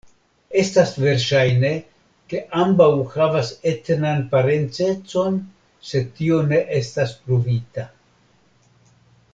Estas verŝajne ke ambaŭ havas etnan parencecon sed tio ne estas pruvita.